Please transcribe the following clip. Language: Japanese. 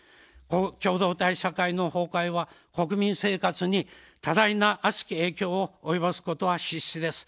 共同体社会の崩壊は、国民生活に多大な悪しき影響を及ぼすことは必至です。